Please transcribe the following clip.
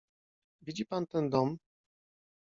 "Widzi pan ten dom?"